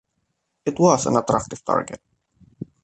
It was an attractive target.